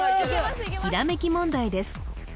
ひらめき問題です